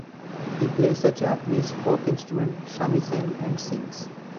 He plays the Japanese folk instrument shamisen and sings.